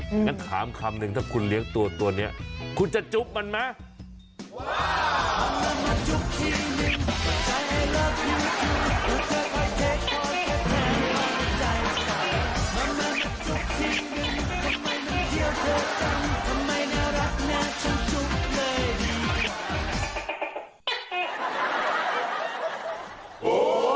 งั้นถามคำนึงถ้าคุณเลี้ยงตัวนี้คุณจะจุ๊บมันไหม